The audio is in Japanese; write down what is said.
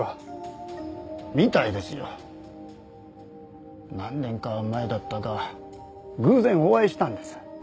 みたいですよ。何年か前だったか偶然お会いしたんです。